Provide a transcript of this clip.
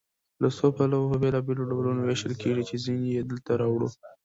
له څو پلوه په بېلابېلو ډولونو ویشل کیږي چې ځینې یې دلته راوړو.